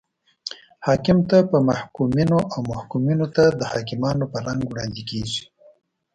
حاکم ته په محکومینو او محکومینو ته د حاکمانو په رنګ وړاندې کیږي.